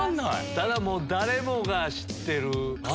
ただ誰もが知ってる。